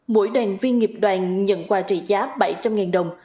mỗi đoàn viên nghiệp đoàn nhận quà trị giá bảy trăm linh đồng